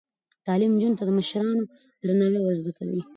تعلیم نجونو ته د مشرانو درناوی ور زده کوي.